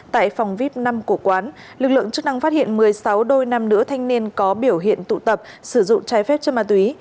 tại phòng vip năm của quán lực lượng chức năng phát hiện một mươi sáu đôi nam nữ thanh niên có biểu hiện tụ tập sử dụng trái phép chất ma túy